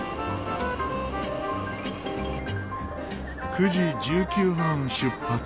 ９時１９分出発。